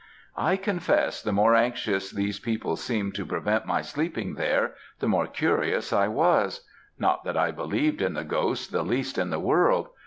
"I confess, the more anxious these people seemed to prevent my sleeping there, the more curious I was; not that I believed in the ghost the least in the world.